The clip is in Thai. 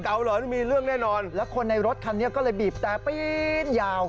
เหรอมีเรื่องแน่นอนแล้วคนในรถคันนี้ก็เลยบีบแต่ปีนยาว